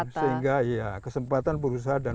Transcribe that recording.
sehingga kesempatan perusahaan dan